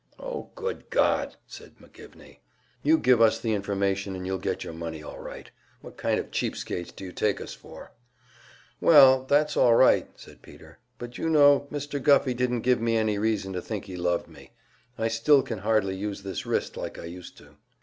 "Oh, good God!" said McGivney. "You give us the information, and you'll get your money all right. What kind of cheap skates do you take us for?" "Well, that's all right," said Peter. "But you know, Mr. Guffey didn't give me any reason to think he loved me. I still can hardly use this wrist like I used to."